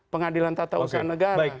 pengadilan tata usaha negara